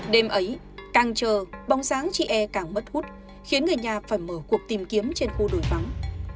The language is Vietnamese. đêm ấy càng chờ bóng dáng chị e càng mất hút khiến người nhà phải mở cuộc tìm kiếm trên khu đồi vắng